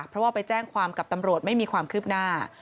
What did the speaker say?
เพราะว่าไปแจ้งความกับตำรวจไม่มีความคืบหน้า